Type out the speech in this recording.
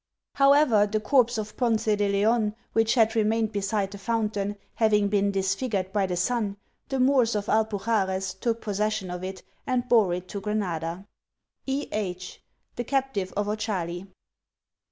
However, the corpse of Ponce de Leon, which had remained beside the fountain, having been disfigured by the sun, the Moors of Alpuxares took possession of it and bore it to Grenada. — E. H. : The Captive of Ochali.